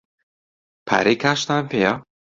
پارەی کاشتان پێیە؟